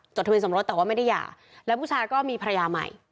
ทะเบียสมรสแต่ว่าไม่ได้หย่าแล้วผู้ชายก็มีภรรยาใหม่